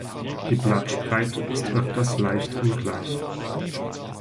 Die Blattspreite ist öfters leicht ungleich.